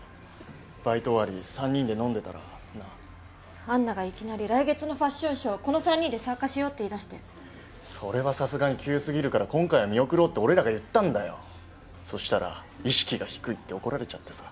バイト終わりに３人で飲んでたらなぁアンナがいきなり来月のファッションショーこの３人で参加しようって言いだしてそれはさすがに急すぎるから今回は見送ろうって俺らが言ったんだよそしたら意識が低いって怒られちゃってさ